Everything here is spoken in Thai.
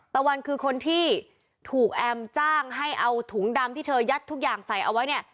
ตะวันคือคนที่ถูกแอมจ้างให้เอาถุงดำที่เธอยัดทุกอย่างใส่เอาไว้เนี่ย